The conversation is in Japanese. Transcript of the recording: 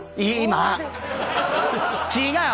違う！